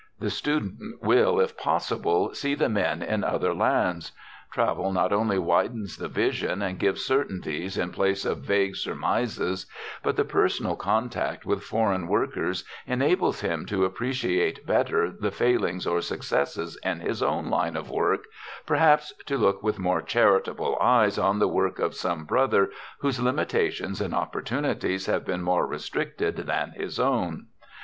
The student will, if possible, see the men in other lands. Travel not only widens the vision and gives certainties in place of vague surmises, but the personal contact with foreign workers enables him to appreciate better the failings or successes in his own line of work, perhaps to look with more charitable eyes on the work of some brother whose limitations and opportunities have been more restricted than his own.